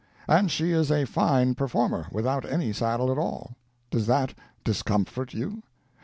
And she is a fine performer, without any saddle at all. Does that discomfort you?